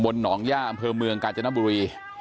ค่ะบนหนองหญ้าอำเภอเมืองกาญจนับบุรี